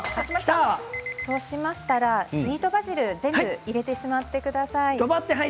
そうしましたらスイートバジルを全部入れてしまってください。